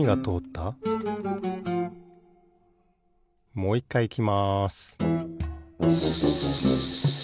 もういっかいいきます